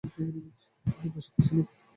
ভালোবাসাকে বেছে নাও।